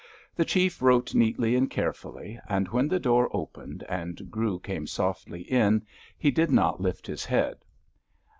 The chief wrote neatly and carefully, and when the door opened and Grew came softly in he did not lift his head.